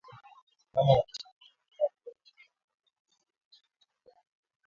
kama mwanachama wa jumuia ya Afrika mashariki kutaimarisha uchumi wa